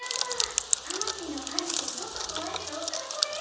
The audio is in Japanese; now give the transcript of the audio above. カマキリの狩りってちょっとこわいけどかっこいい！